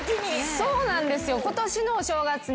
そうなんですよ。